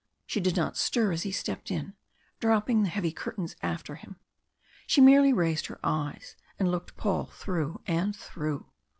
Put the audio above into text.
She did not stir as he stepped in, dropping the heavy curtains after him. She merely raised her eyes, and looked Paul through and through.